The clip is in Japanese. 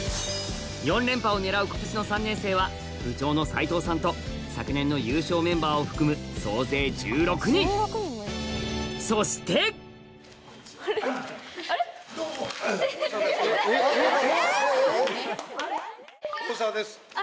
４連覇を狙う今年の３年生は部長の齋藤さんと昨年の優勝メンバーを含む総勢１６人そして大澤です。